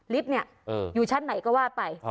ลิฟท์อยู่ชั้นไหนก็ว่าไป